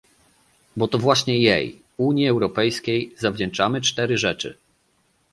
Bo to właśnie jej - Unii Europejskiej - zawdzięczamy cztery rzeczy